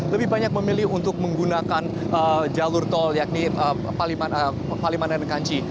lebih banyak memilih untuk menggunakan jalur tol yakni palimanan kanci